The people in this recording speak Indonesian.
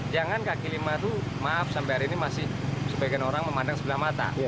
jangan kaki lima itu maaf sampai hari ini masih sebagian orang memandang sebelah mata